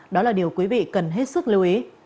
đó là điều quý vị cần hết sức lưu ý